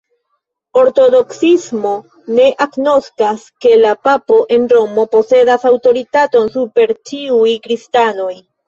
Ortodoksismo ne agnoskas, ke la papo en Romo posedas aŭtoritaton super ĉiuj Kristanoj.